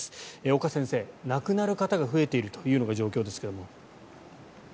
岡先生、亡くなる方が増えているという状況ですが。